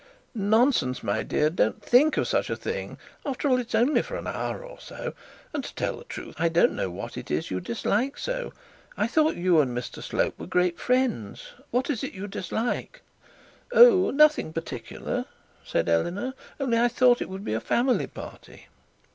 'Nonsense, my dear. Don't think of such a thing; after all it is only for an hour or so, and to tell the truth, I don't know what it is you dislike so. I thought you and Mr Slope were great friends. What is it you dislike?' 'Oh; nothing particular,' said Eleanor; 'only I thought it would be a family party.'